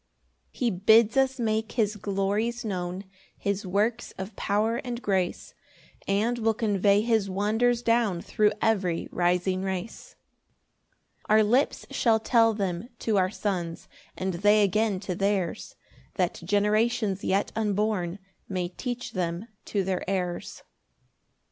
2 He bids us make his glories known, His works of power and grace; And we'll convey his wonders down Thro' every rising race. 3 Our lips shall tell them to our Sons, And they again to theirs, That generations yet unborn May teach them to their heirs.